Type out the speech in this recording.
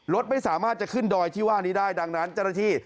รถไม่สามารถจะขึ้นดอยที่ว่านี้ได้ดังนั้นเจ้าหน้าที่